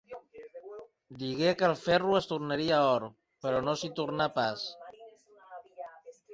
Digué que el ferro es tornaria or, però no s'hi tornà pas.